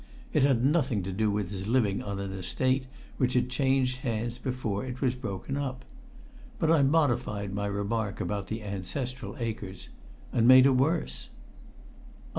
It had nothing to do with his living on an Estate which had changed hands before it was broken up. But I modified my remark about the ancestral acres and made a worse.